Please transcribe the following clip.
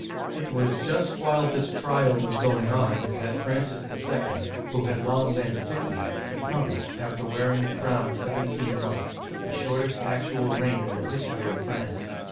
It was just while his trial was going on that Francis II., who had long been sickly, succumbed, after wearing the crown seventeen months, the shortest actual reign in the history of France.